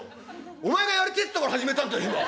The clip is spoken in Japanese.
お前がやりてえっつったから始めたんだ今。